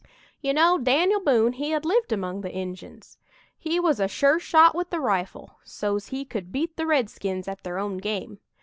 "You know, Dan'l Boone he had lived among the Injuns. He was a sure shot with the rifle so's he could beat the redskins at their own game.